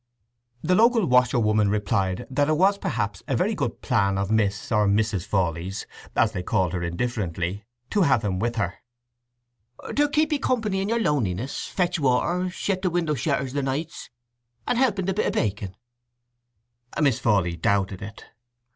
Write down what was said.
The local washerwoman replied that it was perhaps a very good plan of Miss or Mrs. Fawley's (as they called her indifferently) to have him with her—"to kip 'ee company in your loneliness, fetch water, shet the winder shetters o' nights, and help in the bit o' baking." Miss Fawley doubted it.